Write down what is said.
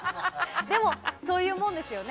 でも、そういうものですよね。